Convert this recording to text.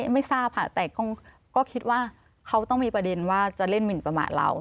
ไม่ทราบค่ะแต่ก็คิดว่าเขาต้องมีประเด็นว่าจะเล่นหมินประมาทเรา